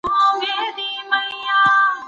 د کورنۍ نشتون انسان ته تکليف ورکوي.